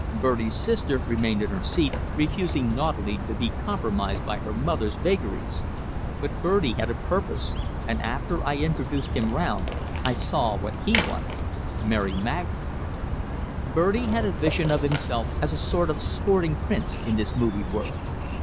Bertie's sister remained in her seat, refusing naughtily to be compromised by her mother's vagaries; but Bertie had a purpose, and after I had introduced him round, I saw what he wanted Mary Magna! Bertie had a vision of himself as a sort of sporting prince in this movie world.